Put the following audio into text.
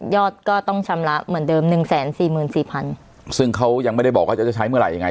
ก็ต้องชำระเหมือนเดิมหนึ่งแสนสี่หมื่นสี่พันซึ่งเขายังไม่ได้บอกว่าจะใช้เมื่อไหร่ยังไง